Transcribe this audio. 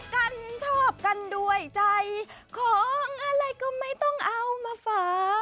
กันชอบกันด้วยใจของอะไรก็ไม่ต้องเอามาฝาก